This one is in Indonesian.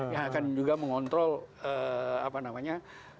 yang akan juga mengontrol apa namanya